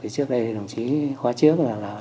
trước đây đồng chí khóa trước là